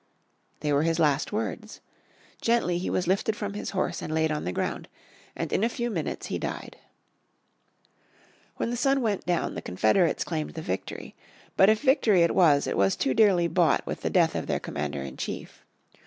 They were his last words. Gently he was lifted from his horse and laid on the ground, and in a few minutes he died. When the sun went down the Confederates claimed the victory. But if victory it was it was too dearly bought with the death of their commander in chief.